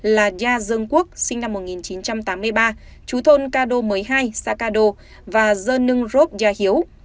là gia dương quốc sinh năm một nghìn chín trăm tám mươi ba chú thôn cado một mươi hai xã cado và dơ nưng rốt gia hiếu